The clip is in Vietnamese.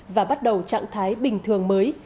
và bắt đầu trạng thái bình thường mới